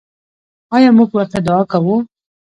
آیا موږ ورته دعا کوو؟